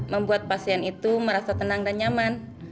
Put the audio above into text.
membuat pasien itu merasa tenang dan nyaman